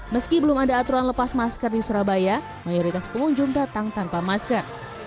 meski belum ada aturan lepas masker di surabaya mayoritas pengunjung datang tanpa masker